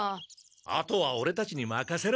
あとはオレたちにまかせろ！